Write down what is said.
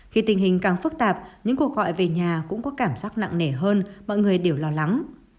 khi tình hình càng phức tạp những cuộc gọi về nhà cũng có cảm giác nặng nề hơn mọi người đều lo lắng